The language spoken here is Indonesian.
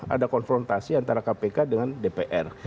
ada konfrontasi antara kpk dengan dpr